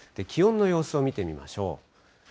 気温の様子を見てみましょう。